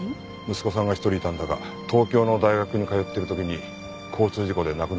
息子さんが１人いたんだが東京の大学に通ってる時に交通事故で亡くなったそうだ。